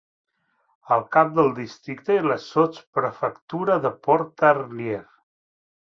El cap del districte és la sotsprefectura de Pontarlier.